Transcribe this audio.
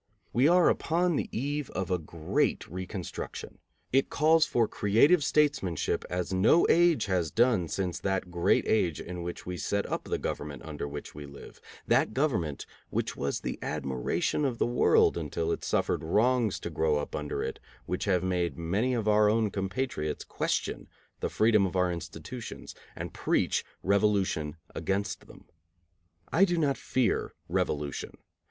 We are upon the eve of a great reconstruction. It calls for creative statesmanship as no age has done since that great age in which we set up the government under which we live, that government which was the admiration of the world until it suffered wrongs to grow up under it which have made many of our own compatriots question the freedom of our institutions and preach revolution against them. I do not fear revolution.